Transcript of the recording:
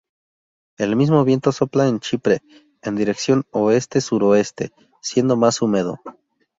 El mismo viento sopla en Chipre en dirección oeste-suroeste, siendo más húmedo.